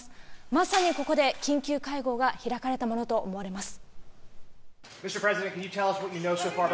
まさにここで、緊急会合が開かれたものと思われます。